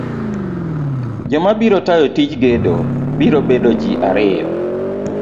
joma biro tayo tij gedo biro bedo ji ariyo.